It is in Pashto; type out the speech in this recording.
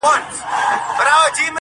د زړه له درده شاعري کومه ښه کوومه,